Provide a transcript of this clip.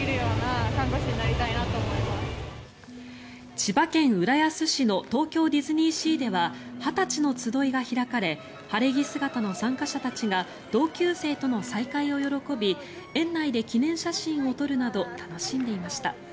千葉県浦安市の東京ディズニーシーでは二十歳の集いが開かれ晴れ着姿の参加者たちが同級生との再会を喜び園内で記念写真を撮るなど楽しんでいました。